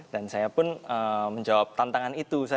dan saya pun menjawab tantangan itu